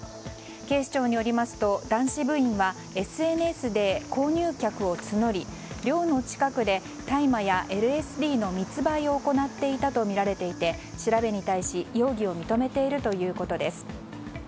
警視庁によりますと男子部員はＳＮＳで購入客を募り寮の近くで大麻やＬＳＤの密売を行っていたとみられていて調べに対し容疑を認めているということです。